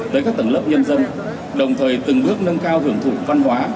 tới các tầng lớp nhân dân đồng thời từng bước nâng cao hưởng thủ văn hóa